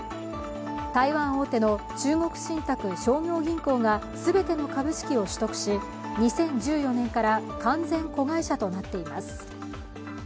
台湾大手の中国信託商業銀行が全ての株式を取得し、２０１４年から完全子会社となっています。